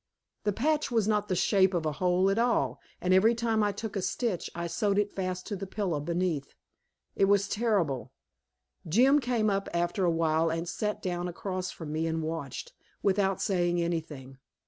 The patch was not the shape of the hole at all, and every time I took a stitch I sewed it fast to the pillow beneath. It was terrible. Jim came up after a while and sat down across from me and watched, without saying anything.